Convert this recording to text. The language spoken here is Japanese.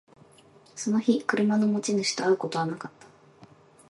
その日、車の持ち主と会うことはなかった